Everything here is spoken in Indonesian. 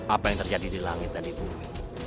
apa yang terjadi di langit dan di bumi